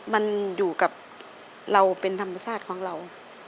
มันอยู่กับเราเป็นธรรมชาติของเรา